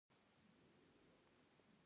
په یوه برخه کې یې داسې راغلي.